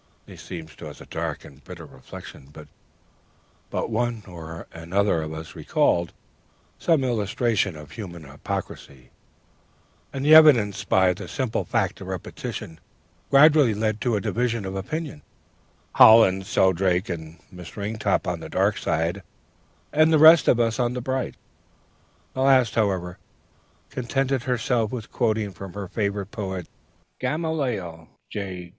"This seemed to us a dark and bitter reflection; but one or another of us recalled some illustration of human hypocrisy, and the evidences, by the simple fact of repetition, gradually led to a division of opinion, Hollins, Shelldrake, and Miss Ringtop on the dark side, and the rest of us on the bright. The last, however, contented herself with quoting from her favorite poet Gamaliel J.